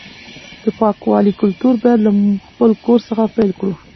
د پاکوالي کلتور باید له خپل کور څخه پیل کړو.